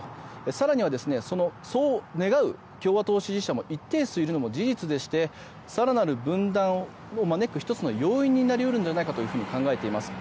更には、そう願う共和党支持者も一定数いるのも事実でして更なる分断を招く１つの要因になり得るんじゃないかとみられています。